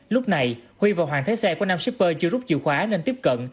lúc này huy và hoàng thấy xe của nam shipper chưa rút chìu khóa nên tiếp cận